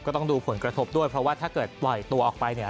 ต้องดูผลกระทบด้วยเพราะว่าถ้าเกิดปล่อยตัวออกไปเนี่ย